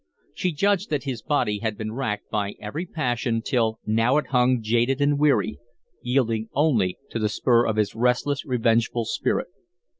She judged that his body had been racked by every passion till now it hung jaded and weary, yielding only to the spur of his restless, revengeful spirit.